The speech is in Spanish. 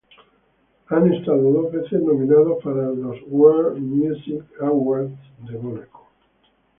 Han estado dos veces nominados para los World Music Awards de Mónaco.